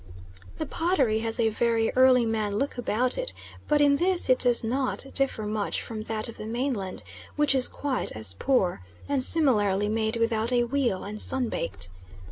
The pottery has a very early man look about it, but in this it does not differ much from that of the mainland, which is quite as poor, and similarly made without a wheel, and sun baked.